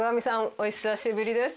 お久しぶりです。